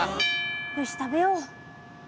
よし食べよう。